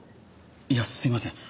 いやすいません。